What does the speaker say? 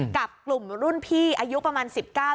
กับกลุ่มรุ่นพี่อายุประมาณ๑๙